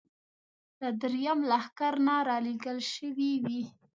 له درېیم لښکر نه را لېږل شوې وې.